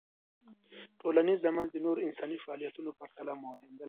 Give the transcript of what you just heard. ټولنیز عمل د نورو انساني فعالیتونو په پرتله مهم دی.